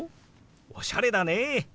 おしゃれだね」。